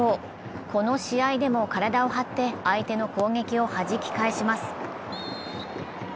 この試合でも体を張って相手の攻撃をはじき返します。